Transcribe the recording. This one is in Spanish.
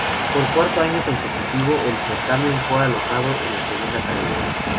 Por cuarto año consecutivo, el certamen fue alojado en la Segunda Cadena.